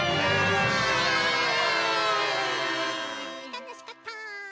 たのしかった。